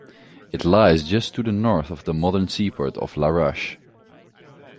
It lies just to the north of the modern seaport of Larache.